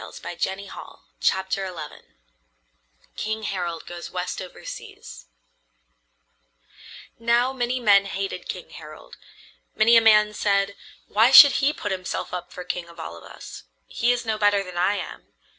[Decoration] King Harald Goes West Over Seas Now many men hated King Harald. Many a man said: "Why should he put himself up for king of all of us? He is no better than I am.